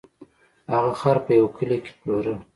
هغه خر په یوه کلي کې پلوره.